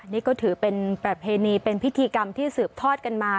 นี่ก็ถือเป็นประเพณีเป็นพิธีกรรมที่สืบทอดกันมา